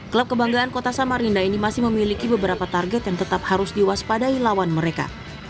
klub kebanggaan kota samarinda ini masih memiliki beberapa target yang tetap harus diwaspadai lawan mereka